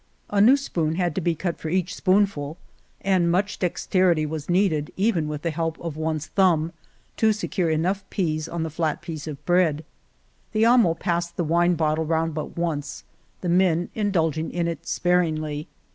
A new spoon had to be cut for each spoonful and much dex terity was needed, even with the help of one's thumb, to secure enough peas on the flat piece of bread. The amo passed the wine bottle round but once, the men indulging in it sparingly.